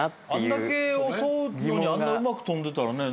あんだけ襲うのにあんなうまく飛んでたらね。